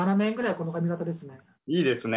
いいですね